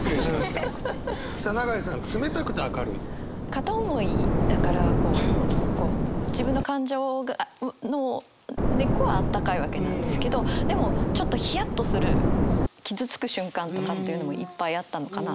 片思いだからこう自分の感情の根っこはあったかいわけなんですけどでもちょっとヒヤッとする傷つく瞬間とかっていうのもいっぱいあったのかなと。